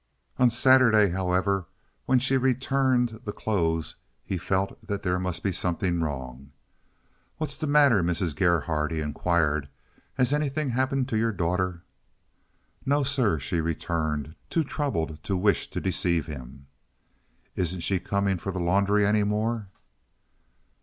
On Saturday, however, when she returned the clothes he felt that there must be something wrong. "What's the matter, Mrs. Gerhardt?" he inquired. "Has anything happened to your daughter?" "No, sir," she returned, too troubled to wish to deceive him. "Isn't she coming for the laundry any more?"